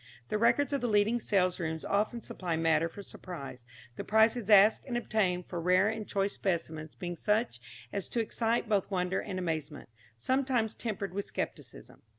The records of the leading sale rooms often supply matter for surprise, the prices asked and obtained for rare and choice specimens being such as to excite both wonder and amazement, sometimes tempered with scepticism.